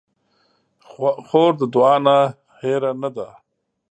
خور د دعا نه هېره نه ده.